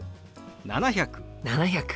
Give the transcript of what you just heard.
「７００」。